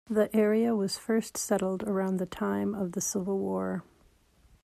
The area was first settled around the time of the Civil War.